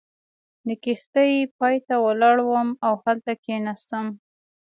د کښتۍ پای ته ولاړم او هلته کېناستم.